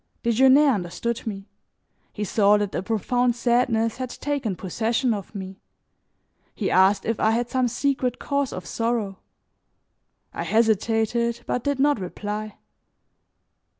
Desgenais understood me; he saw that a profound sadness had taken possession of me. He asked if I had some secret cause of sorrow. I hesitated, but did not reply.